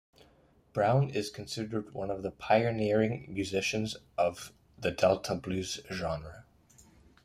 Brown is considered one of the pioneering musicians of the Delta blues genre.